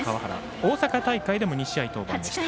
大阪大会でも２試合登板しました。